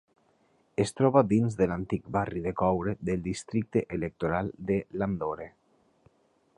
Es troba dins de l'antic barri de coure del districte electoral de Landore.